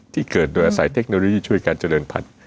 ที่เกิดโดยอาศัยเทคโนโลยีช่วยการเจริญพันธุ์